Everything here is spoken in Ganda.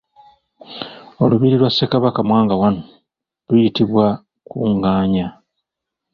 Olubiri lwa Ssekabaka Mwanga I luyitibwa Kungaanya.